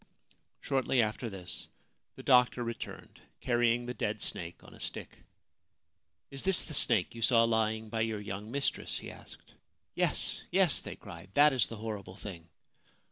Shortly after this the doctor returned, carrying the dead snake on a stick. ' Is this the snake you saw lying by your young mistress ?' he asked. ' Yes, yes/ they cried :' that is the horrible thing.'